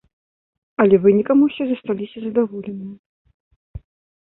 Але вынікам усе засталіся задаволеныя.